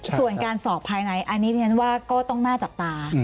เมื่อปันดิ์การสอบภายในอันนี้งั้นว่าก็ต้องหน้าจับตา